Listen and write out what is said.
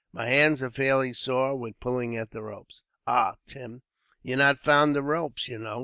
My hands are fairly sore, with pulling at the ropes." "Ah, Tim, you're not fond of ropes, you know.